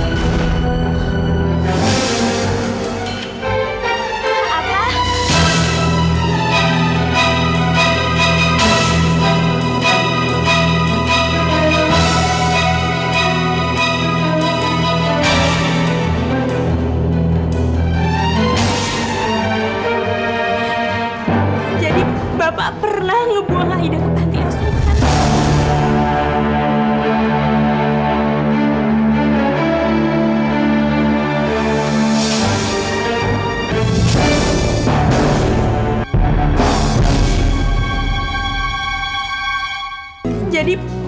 sebelum richards melihat saya apa